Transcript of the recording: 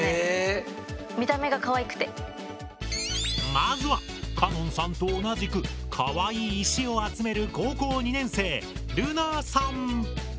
まずは香音さんと同じくかわいい石を集める高校２年生るなさん。